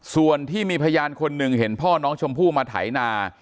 ส่วนที่มีพยานคนหนึ่งเห็นพ่อน้องชมพู่มาไถนา